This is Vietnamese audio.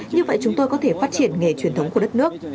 như vậy chúng tôi có thể phát triển nghề truyền thống của đất nước